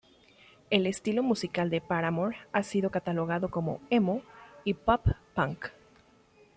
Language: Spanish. El estilo musical de Paramore ha sido catalogado como "emo" y "pop punk".